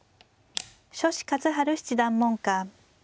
所司和晴七段門下。